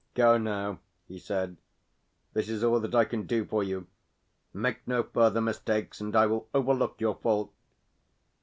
"Go now," he said. "This is all that I can do for you. Make no further mistakes, and I will overlook your fault."